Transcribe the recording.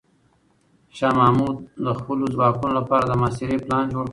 شاه محمود د خپلو ځواکونو لپاره د محاصرې پلان جوړ کړ.